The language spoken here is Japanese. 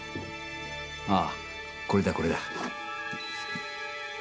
ああ、これだ、これだ。